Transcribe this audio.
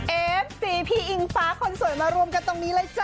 เอฟซีพี่อิงฟ้าคนสวยมารวมกันตรงนี้เลยจ้